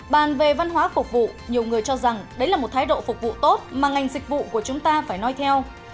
bàn về văn hóa phục vụ nhiều người cho rằng đấy là một thái độ phục vụ tốt mà ngành dịch vụ của chúng ta phải nói theo